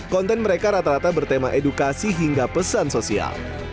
konten mereka rata rata bertema edukasi hingga pesan sosial